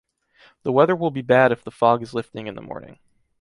The weather will be bad if the fog is lifting in the morning.